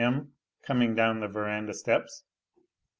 M., coming down the veranda steps.